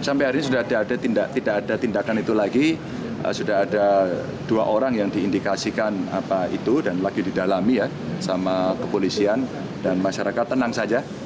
sampai hari ini sudah ada tidak ada tindakan itu lagi sudah ada dua orang yang diindikasikan apa itu dan lagi didalami ya sama kepolisian dan masyarakat tenang saja